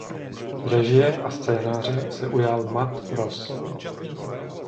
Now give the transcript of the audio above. Režie a scénáře se ujal Matt Ross.